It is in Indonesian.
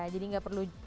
jadi nggak perlu